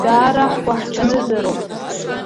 Даара ҳгәаҳҽанызароуп.